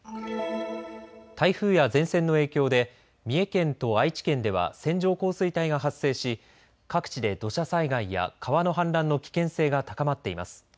台風や前線の影響で三重県と愛知県では線状降水帯が発生し各地で土砂災害や川の氾濫の危険性が高まっています。